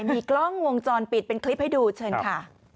มีกล้องวงจรปิดเป็นคลิปให้ดูเชิญค่ะ